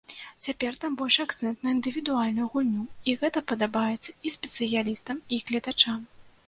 Цяпер там большы акцэнт на індывідуальную гульню, і гэта падабаецца і спецыялістам, і гледачам.